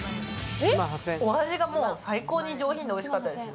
お味が最高に上品でおいしかったですし。